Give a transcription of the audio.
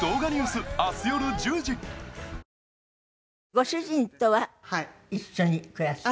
ご主人とは一緒に暮らしてる？